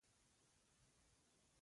کروندګر د کورنۍ لوی ملاتړی دی